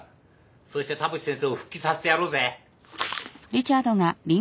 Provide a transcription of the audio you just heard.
そして田淵先生を復帰させてやろうぜ。